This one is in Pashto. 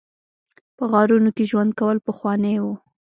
په غارونو کې ژوند کول پخوانی و